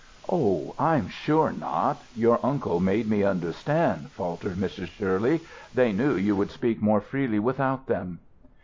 "Oh, I'm sure not! Your uncle made me understand," faltered Mrs. Shirley. "They knew you could speak more freely without them."